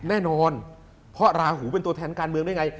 แน่นอนเพราะราหูเป็นตัวแทนการเมืองได้ไง